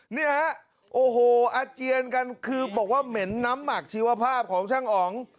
เนี่ยฮะโอ้โหอาเจียนกันคือบอกว่าเหม็นน้ำหมักชีวภาพของช่างอ๋อง